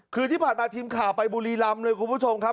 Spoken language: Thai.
คือที่ผ่านมาทีมข่าวไปบุรีรำเลยคุณผู้ชมครับ